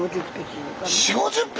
４０５０匹。